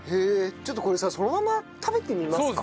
ちょっとこれさそのまま食べてみますか。